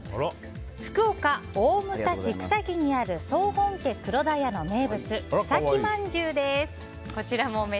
福岡・大牟田市草木にある総本家黒田家の名物草木饅頭です。